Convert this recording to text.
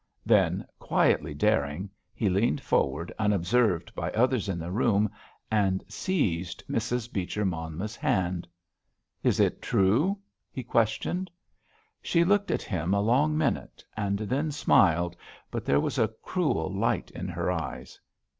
Then, quietly daring, he leaned forward, unobserved by others in the room, and seized Mrs. Beecher Monmouth's hand. "Is it true?" he questioned. She looked at him a long minute, and then smiled, but there was a cruel light in her eyes.